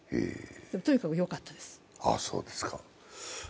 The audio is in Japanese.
とにかくよかったです。